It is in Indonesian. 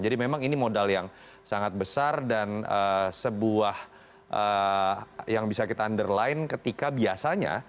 jadi memang ini modal yang sangat besar dan sebuah yang bisa kita underline ketika biasanya